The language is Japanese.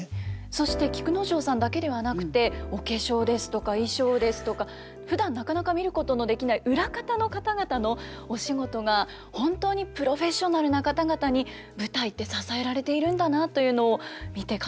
そして菊之丞さんだけではなくてお化粧ですとか衣装ですとかふだんなかなか見ることのできない裏方の方々のお仕事が本当にプロフェッショナルな方々に舞台って支えられているんだなというのを見て感じましたよね。